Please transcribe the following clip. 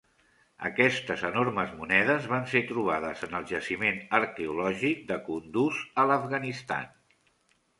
Aquestes enormes monedes van ser trobades en el jaciment arqueològic de Kunduz a l'Afganistan.